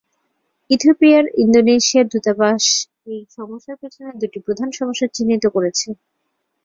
ইথিওপিয়ার Indonesia দূতাবাস এই সমস্যার পিছনে দুটি প্রধান সমস্যা চিহ্নিত করেছে।